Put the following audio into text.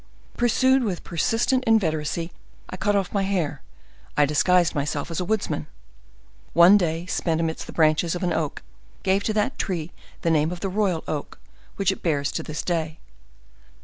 Pursued with persistent inveteracy, I cut off my hair, I disguised myself as a woodman. One day spent amidst the branches of an oak gave to that tree the name of the royal oak, which it bears to this day.